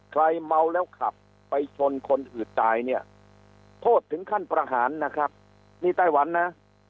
เมาแล้วขับไปชนคนอื่นตายเนี่ยโทษถึงขั้นประหารนะครับนี่ไต้หวันนะ